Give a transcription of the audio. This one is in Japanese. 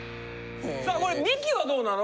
さあこれミキはどうなの？